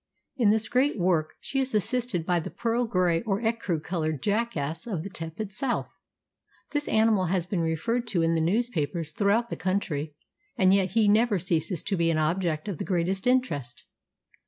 In this great work she is assisted by the pearl gray or ecru colored jackass of the tepid South. This animal has been referred to in the newspapers throughout the country, and yet he never ceases to be an object of the greatest interest.